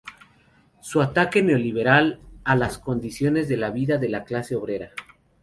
su ataque neoliberal a las condiciones de vida de la clase obrera